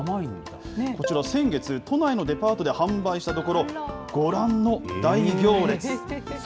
こちら、先月、都内のデパートで販売したところ、ご覧の大行列。